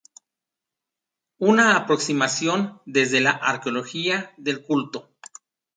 Una aproximación desde la Arqueología del Culto".